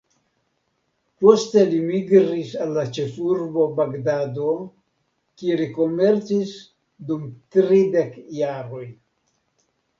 Poste li migris al la ĉefurbo Bagdado, kie li komercis dum tridek jaroj.